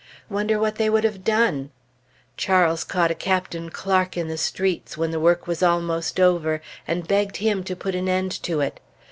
Wonder what they would have done? Charles caught a Captain Clark in the streets, when the work was almost over, and begged him to put an end to it.